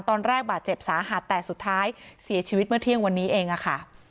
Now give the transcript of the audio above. ตอนแรกบาดเจ็บสาหัสแต่สุดท้ายเสียชีวิตเมื่อเที่ยงวันนี้เองค่ะ